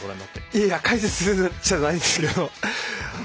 いやいや解説者じゃないんですけど。